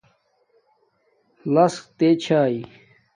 لسک تے چھاݵ